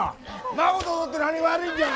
孫と踊って何が悪いんじゃ！